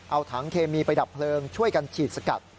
เอาถังเคมีไปดับเพลิงช่วยกันฉีดสกัด